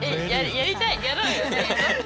やりたい！